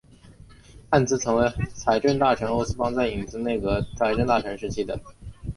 汉兹曾为财政大臣欧思邦在影子内阁财政大臣时期的。